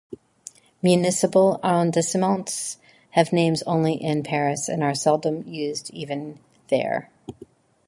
Municipal arrondissements have names only in Paris and are seldom used even there.